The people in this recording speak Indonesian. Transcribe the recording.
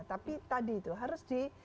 tapi tadi itu harus di